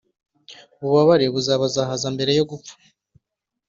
ububabare buzabazahaza mbere yo gupfa.